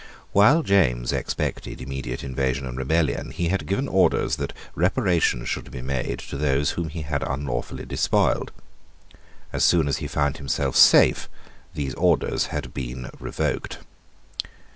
While James expected immediate invasion and rebellion, he had given orders that reparation should be made to those whom he had unlawfully despoiled. As soon as he found himself safe, those orders had been revoked.